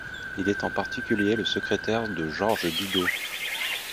Il est en particulier le secrétaire de Georges Bidault.